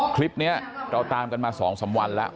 คลิปนี้เราตามกันมา๒๓วันแล้ว